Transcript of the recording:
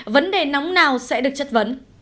vấn đề nóng nào sẽ được chất vấn